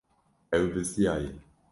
Ew bizdiyaye.